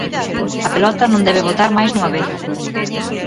A pelota non debe botar máis dunha vez.